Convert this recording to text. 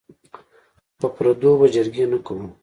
په پردو به جرګې نه کوو.